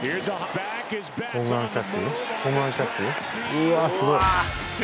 うわっすごい。